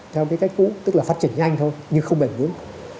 theo cái cách cũ tức là phát triển nhanh thôi nhưng không bền vững